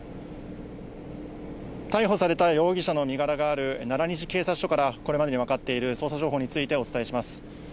逮捕された容疑者の身柄がある奈良西警察署からこれまでに分かっている捜査情報についてお伝えします。